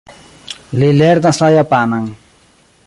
Li lernas la japanan.